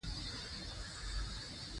ژورې سرچینې د افغانستان د جغرافیې بېلګه ده.